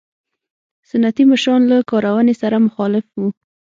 سنتي مشران له کارونې سره مخالف وو.